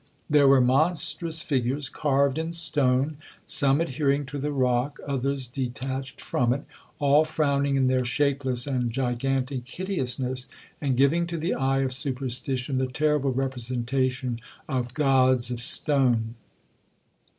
There were monstrous figures carved in stone, some adhering to the rock, others detached from it, all frowning in their shapeless and gigantic hideousness, and giving to the eye of superstition the terrible representation of 'gods of stone.'